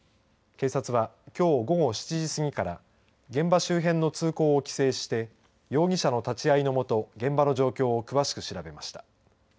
警察は、きょう午後７時過ぎから現場周辺の通行を規制して容疑者の立ち会いのもと現場の状況を詳しく調べました。